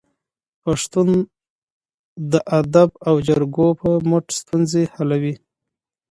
پښتون د ادب او جرګو په مټ ستونزې حلوي.